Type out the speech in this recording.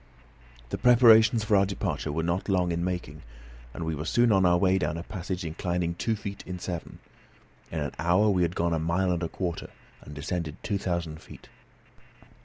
The preparations for our departure were not long in making, and we were soon on our way down a passage inclining two feet in seven. In an hour we had gone a mile and a quarter, and descended two thousand feet.